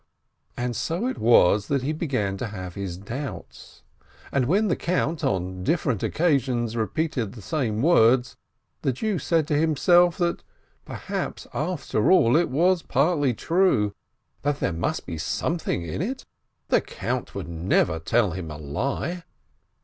And so it was that he began to have his doubts, and when the Count, on different occasions, repeated the same words, the Jew said to himself, that perhaps after all it was partly true, that there must be something in it — the Count would never tell him a lie